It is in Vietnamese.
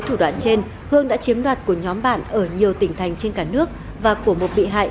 thủ đoạn trên hương đã chiếm đoạt của nhóm bạn ở nhiều tỉnh thành trên cả nước và của một bị hại